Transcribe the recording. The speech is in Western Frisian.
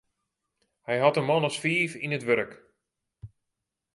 Hy hat in man as fiif yn it wurk.